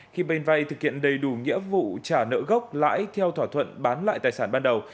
khi bên vay thực hiện đầy đủ nghĩa vụ trả nợ gốc lãi theo thỏa thuận bán lại tài sản ban đầu